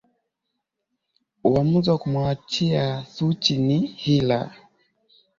uamuzi wa kumuachia suchi ni hila